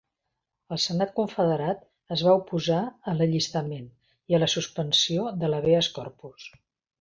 Al Senat Confederat, es va oposar a l'allistament i a la suspensió de l'habeas corpus.